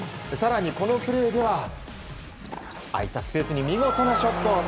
更に、このプレーでは空いたスペースに見事なショット！